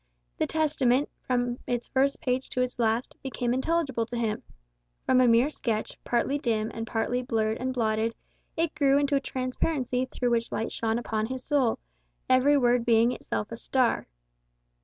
The Testament, from its first page to its last, became intelligible to him. From a mere sketch, partly dim and partly blurred and blotted, it grew into a transparency through which light shone upon his soul, every word being itself a star.